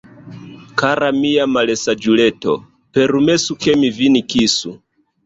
Kara mia malsaĝuleto, permesu, ke mi vin kisu!